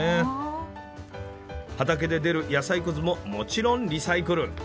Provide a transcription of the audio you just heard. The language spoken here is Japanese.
畑で出る野菜くずももちろんリサイクル！